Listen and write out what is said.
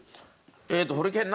えっとホリケン